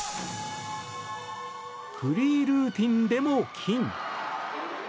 フリールーティンでも金！